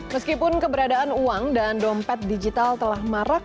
meskipun keberadaan uang dan dompet digital telah marak